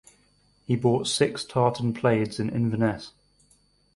He bought six tartan plaids in Inverness.